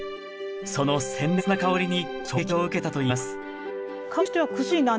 その鮮烈な香りに衝撃を受けたと言います